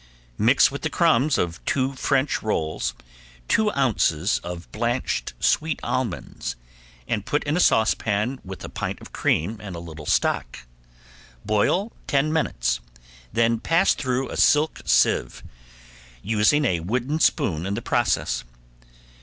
Mix with the crumbs of two French rolls two ounces of blanched sweet almonds and put in a saucepan with a pint of cream and a little stock, boil ten minutes, then pass through a silk sieve, using a wooden spoon in the process.